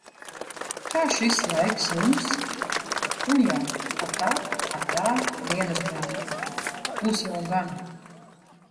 Kā šis laiks jums? Un jā - atā, atā, dienasgrāmata! Būs jau gana.